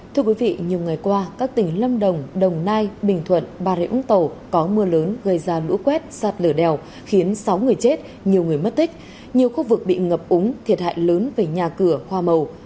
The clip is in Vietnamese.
thưa quý vị nhiều ngày qua các tỉnh lâm đồng đồng nai bình thuận bà rịa úng tàu có mưa lớn gây ra lũ quét sạt lở đèo khiến sáu người chết nhiều người mất tích nhiều khu vực bị ngập úng thiệt hại lớn về nhà cửa hoa màu